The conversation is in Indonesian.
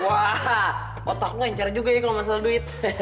wah otak gue encer juga ya kalau nggak salah duit